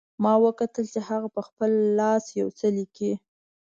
ما وکتل چې هغه په خپل لاس یو څه لیکي